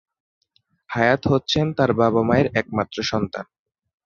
হায়াৎ হচ্ছেন তার বাবা-মায়ের একমাত্র সন্তান।